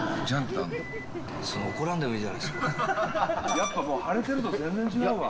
やっぱ晴れてると全然違うわ。